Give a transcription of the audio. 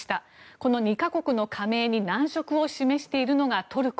この２か国の加盟に難色を示しているのがトルコ。